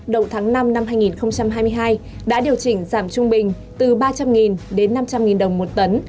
đầu tháng năm năm hai nghìn hai mươi hai đã điều chỉnh giảm trung bình từ ba trăm linh đến năm trăm linh đồng một tấn